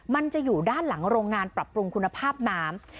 มันจะอยู่ด้านหลังโรงงานปรับปรุงคุณภาพน้ำ